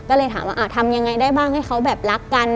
ก็เลยถามว่าทำยังไงได้บ้างให้เขาแบบรักกัน